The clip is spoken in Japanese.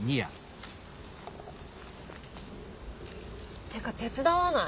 ってか手伝わない？